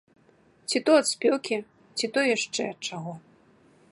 Ці то ад спёкі, ці то яшчэ ад чаго.